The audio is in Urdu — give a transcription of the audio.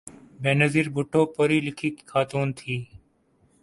بینظیر بھٹو پڑھی لکھی خاتون تھیں۔